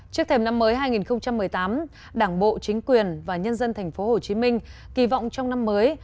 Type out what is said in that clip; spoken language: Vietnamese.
trước thềm năm mới hai nghìn một mươi tám đảng bộ chính quyền và nhân dân tp hcm kỳ vọng trong năm mới